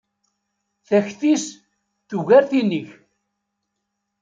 Takti-s tugar tin-ik.